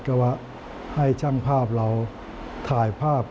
ก็ว่าให้ช่างภาพเราถ่ายภาพ